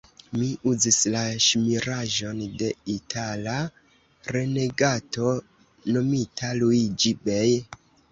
Mi uzis la ŝmiraĵon de Itala renegato, nomita Luiĝi-Bej'.